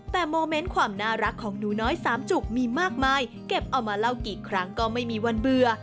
แต่โมเมนต์ความน่ารักของหนูน้อยสามจุกมีมากมายเก็บเอามาเล่ากี่ครั้งก็ไม่มีวันเบื่อ